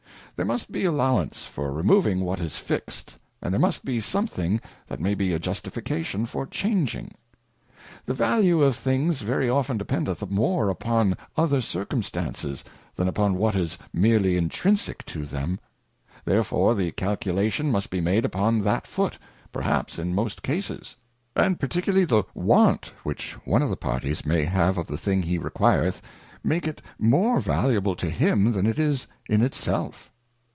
There must be allowance for removing what is fixed, and there must be something that may be a justification for changing. The value of things very often dependeth more upon other circumstances, than upon what is meerly intrinsick to them ; therefore the calculation must be made upon that foot, perhaps in most cases ; and particularly the want which one of the parties may have of the thing he requireth, maketh it more valuable to him than it is in it self.